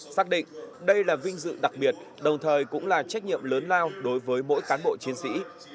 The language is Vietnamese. xác định đây là vinh dự đặc biệt đồng thời cũng là trách nhiệm lớn lao đối với mỗi cán bộ chiến sĩ